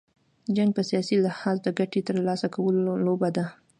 جنګ په سیاسي لحاظ، د ګټي تر لاسه کولو لوبه ده.